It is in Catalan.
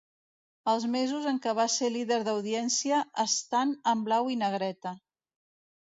Els mesos en què va ser líder d'audiència, estan en blau i negreta.